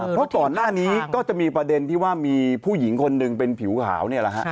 เพราะก่อนหน้านี้ก็จะมีประเด็นที่ว่ามีผู้หญิงคนหนึ่งเป็นผิวขาวนี่แหละฮะ